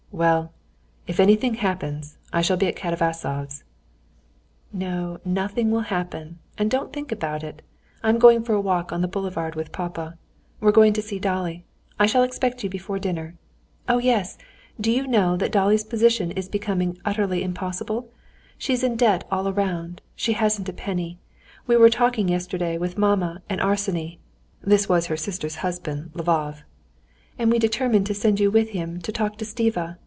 "Well, if anything happens, I shall be at Katavasov's." "No, nothing will happen, and don't think about it. I'm going for a walk on the boulevard with papa. We're going to see Dolly. I shall expect you before dinner. Oh, yes! Do you know that Dolly's position is becoming utterly impossible? She's in debt all round; she hasn't a penny. We were talking yesterday with mamma and Arseny" (this was her sister's husband Lvov), "and we determined to send you with him to talk to Stiva.